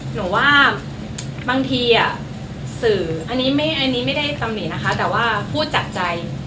หนูว่าบางทีสื่ออันนี้ไม่ได้ตำหนินะคะแต่ว่าพูดจากใจ